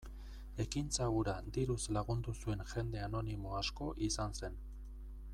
Ekintza hura diruz lagundu zuen jende anonimo asko izan zen.